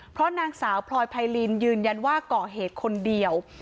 เพราะนางสาวพลอยไพรินยืนยันว่าก่อเหตุคนเดียว